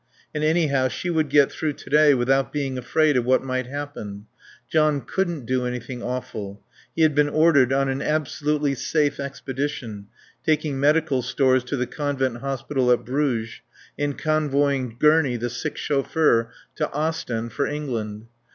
And anyhow she would get through to day without being afraid of what might happen. John couldn't do anything awful; he had been ordered on an absolutely safe expedition, taking medical stores to the convent hospital at Bruges and convoying Gurney, the sick chauffeur, to Ostend for England.